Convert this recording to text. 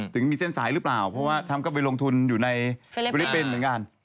ถึงมีเส้นสายหรือเปล่าเพราะว่าทรัมป์ก็ไปลงทุนอยู่ในฟิลิปปินส์เหมือนกัน